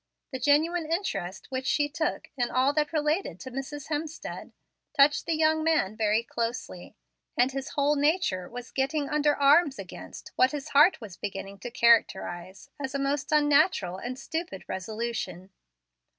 The genuine interest which she took in all that related to Mrs. Hemstead touched the young man very closely, and his whole nature was getting under arms against what his heart was beginning to characterize as a most unnatural and stupid resolution.